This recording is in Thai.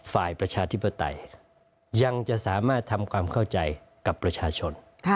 ประชาธิปไตยยังจะสามารถทำความเข้าใจกับประชาชน